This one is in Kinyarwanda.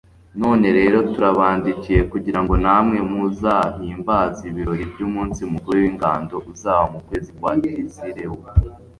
none rero, turabandikiye kugira ngo namwe muzahimbaze ibirori by'umunsi mukuru w'ingando uzaba mu kwezi kwa kisilewu